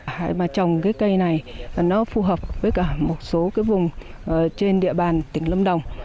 hãy mà trồng cây này nó phù hợp với cả một số vùng trên địa bàn tỉnh lâm đồng